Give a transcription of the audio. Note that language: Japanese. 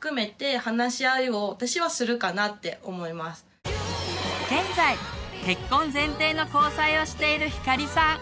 私だったらちゃんと現在結婚前提の交際をしているひかりさん。